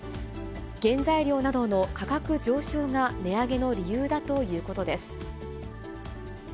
原材料などの価格上昇が値上げの理由だということです。